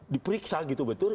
dipriksa gitu betul